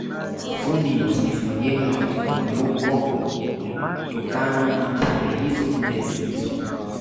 Ufundi na usanifu majengo katika mji huu mkongwe ulitokana na pande hizo nne zilizo